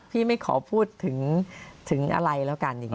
ไม่ขอพูดถึงอะไรแล้วกัน